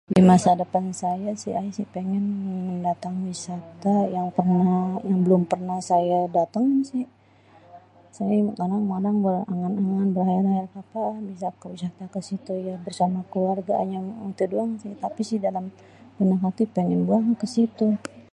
Di masa depan saya sih ayé sih pengen mendantangi wisata yang pernah, yang belum pernah saya datengin sih. Saya kadang-kadang berangan-angan, berkhayal-khayal kapan bisa wisata ke situ ya bersama keluarga. èntu doang sih tapi dalam hati pengen banget ke situ.